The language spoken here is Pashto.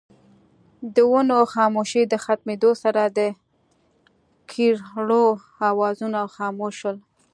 د ونو خاموشۍ د ختمېدو سره دکيرړو اوازونه خاموش شول